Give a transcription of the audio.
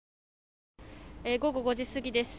午後５時過ぎです。